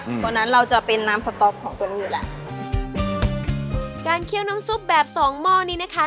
เพราะฉะนั้นเราจะเป็นน้ำสต๊อกของตัวนี้อยู่แล้วการเคี่ยวน้ำซุปแบบสองหม้อนี้นะคะ